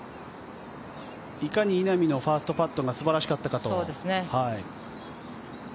いかに稲見のファーストパットが素晴らしかったかと。